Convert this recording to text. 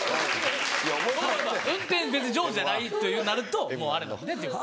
運転別に上手じゃないとなるとあれなんでっていう。